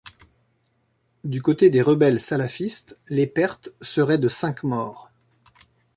Du côté des rebelles salafistes, les pertes seraient de cinq morts.